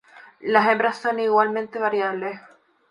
Las hembras son igualmente variables.